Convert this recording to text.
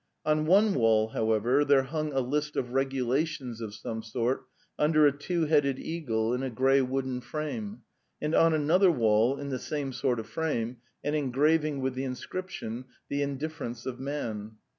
On one wall, how ever, there hung a list of regulations of some sort under a two headed eagle in a grey wooden frame, and on another wall in the same sort of frame an engraving with the inscription, '' The Indifference of Man."